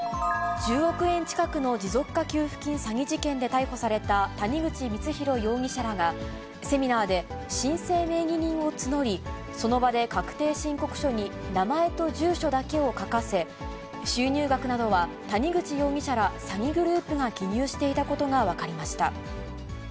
１０億円近くの持続化給付金詐欺事件で逮捕された谷口光弘容疑者らが、セミナーで申請名義人を募り、その場で確定申告書に名前と住所だけを書かせ、収入額などは谷口容疑者ら詐欺グループが記入していたことが分かりました。